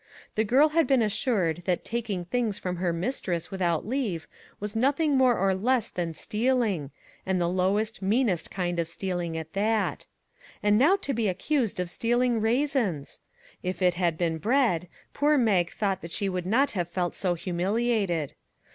The girl had been assured that taking things from her mistress without leave was nothing more nor less than stealing, and the lowest, meanest kind of steal ing at that. And now to be accused of stealing raisins ! If it had been bread, poor Mag thought that she would not have felt so humiliated.